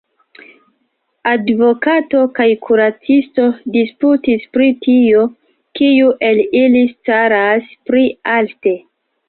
Advokato kaj kuracisto disputis pri tio, kiu el ili staras pli alte.